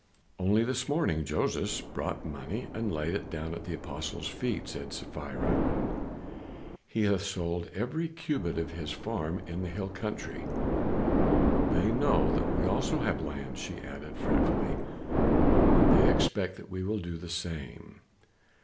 "Only this morning Joses brought money and laid it down at the apostles' feet," said Sapphira. "He hath sold every cubit of his farm in the hill country. They know that we also have lands," she added fretfully, "and they expect that we will do the same.